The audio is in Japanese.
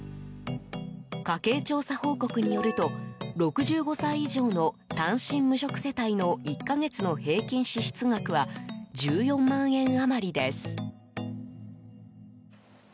家計調査報告によると６５歳以上の単身無職世帯の１か月の平均支出額は１４万円余りです。